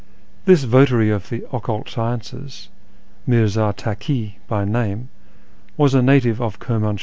This votary of the occult sciences, Mirza Taki by name, was a native of Kirniiinshah.